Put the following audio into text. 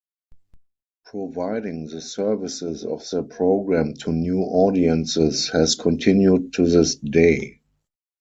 Providing the services of the program to new audiences has continued to this day.